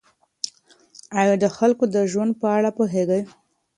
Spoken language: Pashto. آیا د خلکو د ژوند په اړه پوهېږئ؟